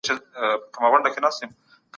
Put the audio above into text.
جوش شوې اوبه د څښاک لپاره غوره دي.